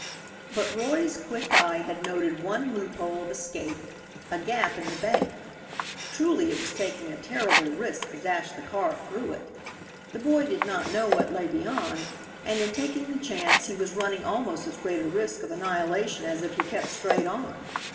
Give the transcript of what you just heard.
But Roy's quick eye had noted one loophole of escape, a gap in the bank. Truly it was taking a terrible risk to dash the car through it. The boy did not know what lay beyond, and in taking the chance he was running almost as great a risk of annihilation as if he kept straight on.